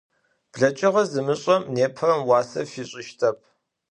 Bleç'ığer zımış'erem nêperem vuase fiş'ıştep.